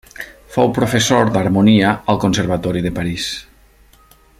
Fou professor d'harmonia al Conservatori de París.